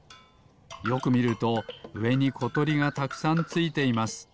よくみるとうえにことりがたくさんついています。